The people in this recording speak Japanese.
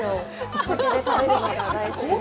お酒で食べるのが大好きで。